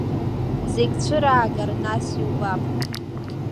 Зегьы цәыраагар нас иубап.